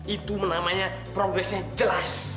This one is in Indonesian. itu namanya progress nya jelas